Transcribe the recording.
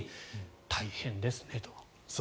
大変ですと。